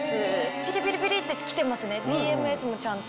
ピリピリピリって来てますねＥＭＳもちゃんと。